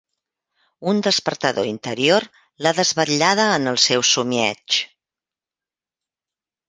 Un despertador interior l'ha desvetllada en el seu somieig.